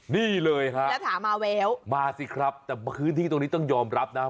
นี่เลยครับมาสิครับแต่พื้นที่ตรงนี้ต้องยอมรับนะ